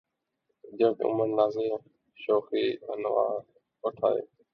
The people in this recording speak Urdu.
یک عمر نازِ شوخیِ عنواں اٹھایئے